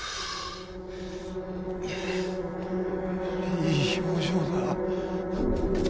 いい表情だ。